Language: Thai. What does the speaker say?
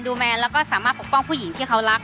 แมนแล้วก็สามารถปกป้องผู้หญิงที่เขารัก